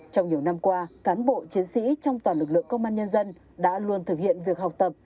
trong nhiều năm qua cán bộ chiến sĩ trong toàn lực lượng công an nhân dân đã luôn thực hiện việc học tập